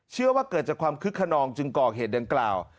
เชื่อว่าเกิดจากความคึกขนองจึงก่อเหตุดังกล่าว